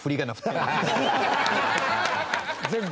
全部？